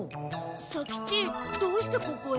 左吉どうしてここへ？